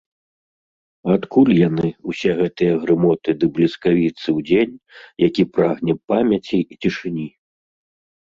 Адкуль яны, усе гэтыя грымоты ды бліскавіцы ў дзень, які прагне памяці і цішыні?!